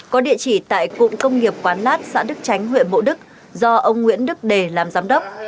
có địa chỉ tại cụng công nghiệp quán lát xã đức tránh huyện bộ đức do ông nguyễn đức đề làm giám đốc